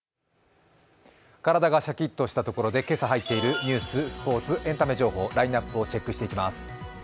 体がシャキッとしたところで今朝入っているニュース、スポーツ、エンタメ情報ラインナップをチェックします。